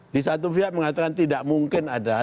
di satu pihak mengatakan tidak mungkin ada